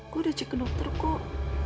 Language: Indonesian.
gue udah cek ke dokter kok